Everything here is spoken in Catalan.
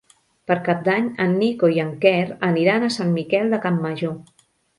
Per Cap d'Any en Nico i en Quer aniran a Sant Miquel de Campmajor.